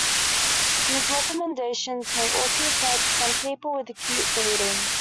These recommendations may also apply to some people with acute bleeding.